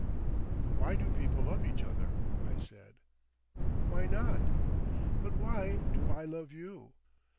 "Why do people love each other?" I said. "Why not?" "But why do I love you?